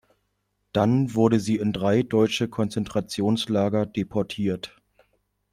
Dann wurde sie in drei deutsche Konzentrationslager deportiert.